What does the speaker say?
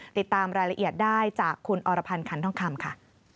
ติดตามรายละเอียดได้จากคุณอรพันธ์คันท่องคำค่ะ